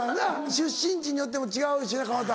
出身地によっても違うしな川田。